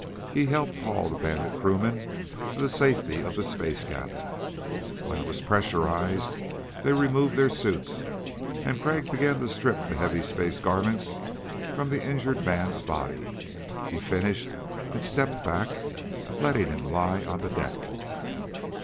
He helped haul the Bandit crewman to the safety of the space cabin. When it was pressurized they removed their suits and Crag began to strip the heavy space garments from the injured man's body. He finished and stepped back, letting him lie on the deck.